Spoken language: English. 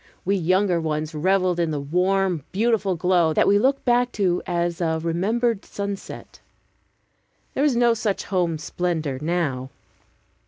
We younger ones reveled in the warm, beautiful glow, that we look back to as to a remembered sunset. There is no such home splendor now.